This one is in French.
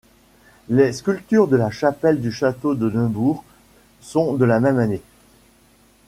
Les sculptures de la chapelle du château de Neuburg sont de la même année.